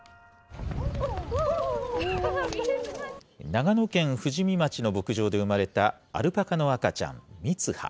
長野県富士見町の牧場で生まれたアルパカの赤ちゃん、みつは。